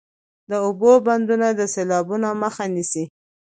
د اوبو بندونه د سیلابونو مخه نیسي